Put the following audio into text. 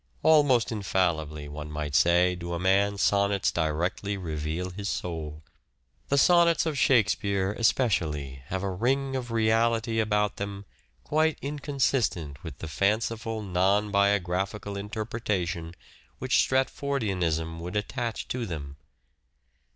Almost infallibly, one might say, do a man's sonnets directly reveal his soul. The sonnets of " Shakespeare," especially, have a ring of reality about them quite inconsistent with the fanciful non bio graphical interpretation which Stratfordiankm would attach to them.